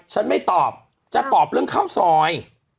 ไม่ตอบจะตอบเรื่องข้าวซอย